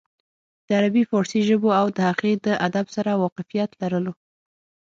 د عربي فارسي ژبو او د هغې د ادب سره واقفيت لرلو